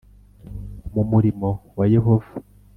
Mu murimo wa yehova